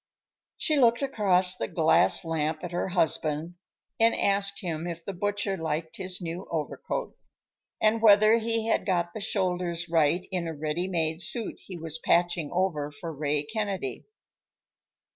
She looked across the glass lamp at her husband and asked him if the butcher liked his new overcoat, and whether he had got the shoulders right in a ready made suit he was patching over for Ray Kennedy.